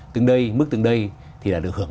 từng đây mức từng đây thì là được hưởng